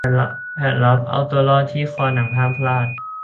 แผนลับเอาตัวรอดที่คอหนังห้ามพลาด